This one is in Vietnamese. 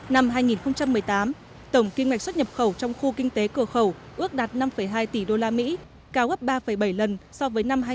năm hai nghìn một mươi tám tổng kinh hoạch xuất nhập khẩu trong khu kinh tế cửa khẩu ước đạt năm hai tỷ usd cao gấp ba bảy lần so với năm hai nghìn tám